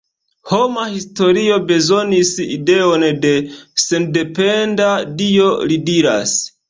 Homa historio bezonis ideon de sendependa Dio, li diras.